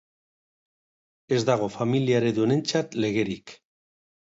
Ez dago familia eredu honentzat legerik.